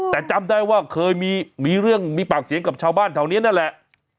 แต่จำได้ว่าเคยมีเรื่องมีปากเสียงกับชาวบ้านแถวนี้นั่นแหละ